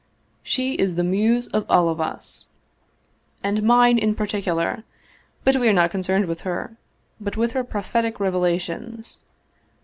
" She is the muse of all of us." " And mine in particular. But we are not concerned with her, but with her prophetic revelations."